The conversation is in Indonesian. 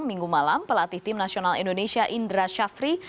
minggu malam pelatih tim nasional indonesia indra syafri